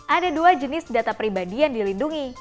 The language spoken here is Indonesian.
ada dua jenis data pribadi yang dilindungi